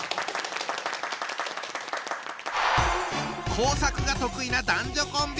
工作が得意な男女コンビ。